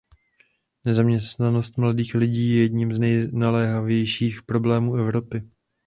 Nezaměstnanost mladých lidí je jedním z nejnaléhavějších problémů Evropy.